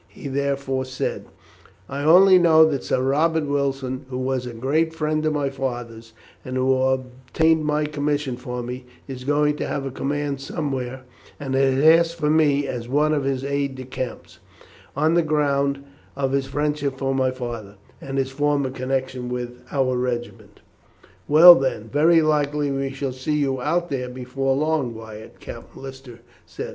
He therefore said: "I only know that Sir Robert Wilson, who was a great friend of my father's, and who obtained my commission for me, is going to have a command somewhere, and has asked for me as one of his aides de camp on the ground of his friendship for my father, and his former connection with our regiment." "Well, then, very likely we shall see you out there before long, Wyatt," Captain Lister said.